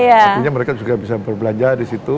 artinya mereka juga bisa berbelanja di situ